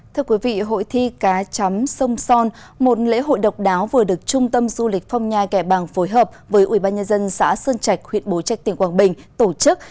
thưa quý vị hội thi cá chắm sông son một lễ hội độc đáo vừa được trung tâm du lịch phong nha kẻ bàng phối hợp với ubnd xã sơn trạch huyện bố trách tiền quang bình tổ chức